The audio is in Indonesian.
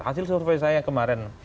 hasil survei saya kemarin